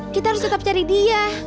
kita harus tetap cari dia